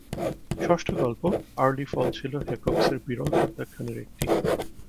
ষষ্ঠ গল্প, "early fall" ছিল হেকক্সের বিরল প্রত্যাখ্যানের একটি।